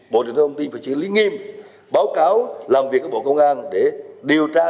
bộ thông tin phải xử lý nghiêm báo cáo làm việc ở bộ công an để điều tra